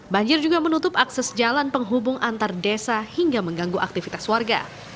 banjir juga menutup akses jalan penghubung antar desa hingga mengganggu aktivitas warga